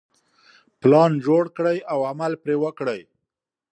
پلان جوړ کړئ او عمل پرې وکړئ.